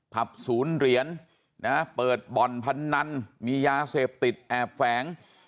ผับศูนย์เหรียญเปิดบ่อนพนันมียาเสพติดแอบแฝง